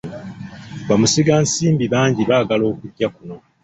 Bamusigansimbi bangi baagala okujja kuno.